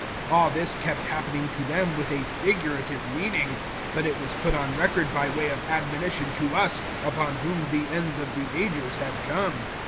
010:011 All this kept happening to them with a figurative meaning; but it was put on record by way of admonition to us upon whom the ends of the Ages have come.